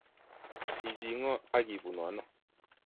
ichi ng'o ak ibunu ano?